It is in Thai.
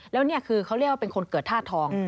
แล้วนี่คือเขาเรียกว่าเป็นคนเกิดธาตุทอง